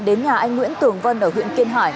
đến nhà anh nguyễn tường vân ở huyện kiên hải